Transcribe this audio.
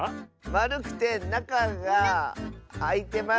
まるくてなかがあいてます。